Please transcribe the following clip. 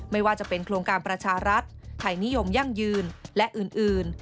ไม่ว่าจะเป็นโครงการประชารัฐไทยนิยมยั่งยืนและอื่น